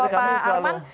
kalau pak arman